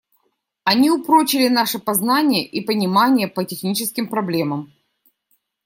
Они упрочили наши познания и понимания по техническим проблемам.